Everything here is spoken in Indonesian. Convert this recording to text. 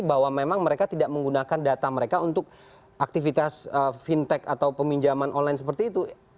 bahwa memang mereka tidak menggunakan data mereka untuk aktivitas fintech atau peminjaman online seperti itu